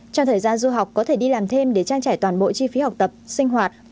trong thời gian du học có thể đi làm thêm để trang trải toàn bộ chi phí học tập sinh hoạt